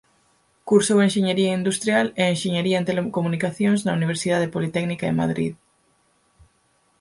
Cursou Enxeñería Industrial e Enxeñería en Telecomunicacións na Universidad Politécnica de Madrid.